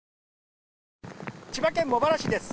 千葉県茂原市です。